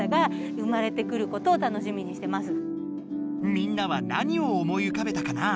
みんなは何を思いうかべたかなぁ？